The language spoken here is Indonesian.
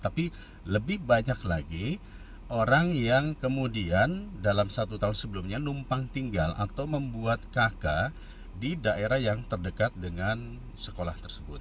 tapi lebih banyak lagi orang yang kemudian dalam satu tahun sebelumnya numpang tinggal atau membuat kk di daerah yang terdekat dengan sekolah tersebut